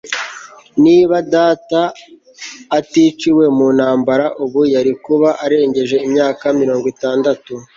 Niba data aticiwe mu ntambara ubu yari kuba arengeje imyaka mirongo itandatu